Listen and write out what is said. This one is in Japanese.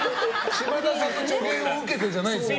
島田さんの助言を受けてじゃないですよね？